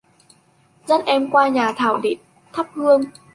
dắt em qua nhà thảo để thắp hương